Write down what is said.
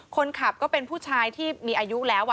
คนขับก็เป็นผู้ชายที่มีอายุแล้ว